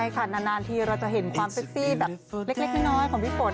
ใช่ค่ะนานทีเราจะเห็นความเซ็กซี่แบบเล็กน้อยของพี่ฝน